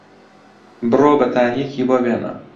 بڕۆ بەتانییەکی بۆ بێنە.